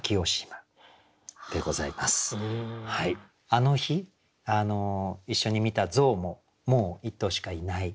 あの日一緒に見た象ももう１頭しかいない。